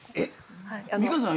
美香さん